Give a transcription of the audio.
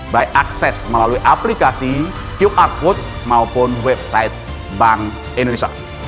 baik akses melalui aplikasi qr code maupun website bank indonesia